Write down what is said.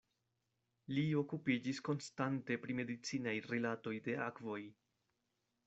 Li okupiĝis konstante pri medicinaj rilatoj de akvoj.